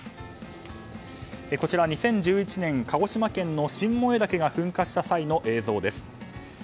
こちらは２０１１年鹿児島県の新燃岳が噴火した際の映像です。